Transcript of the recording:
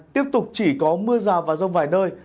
tiếp tục chỉ có mưa rào và rông vài nơi